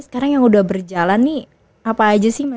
sekarang yang udah berjalan nih apa aja sih mas